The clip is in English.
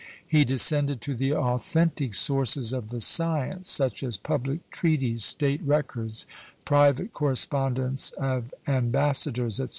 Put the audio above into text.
he descended to the authentic sources of the science, such as public treaties, state records, private correspondence of ambassadors, &c.